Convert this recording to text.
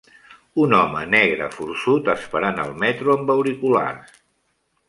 Un home negre forçut esperant el metro amb auriculars.